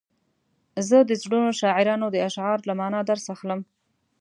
زه د زړو شاعرانو د اشعارو له معنا درس اخلم.